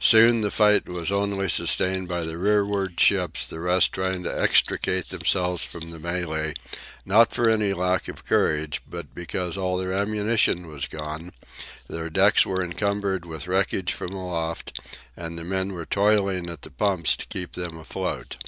Soon the fight was only sustained by the rearward ships, the rest trying to extricate themselves from the mêlée, not for any lack of courage, but because all their ammunition was gone, their decks were encumbered with wreckage from aloft, and the men were toiling at the pumps to keep them afloat.